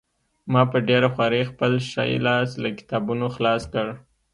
ما په ډېره خوارۍ خپل ښی لاس له کتابونو خلاص کړ